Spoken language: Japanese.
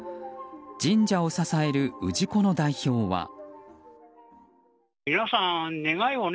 神社を支える氏子の代表は。